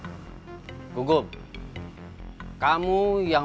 apa lu ada siapaan usm khun usu aja kia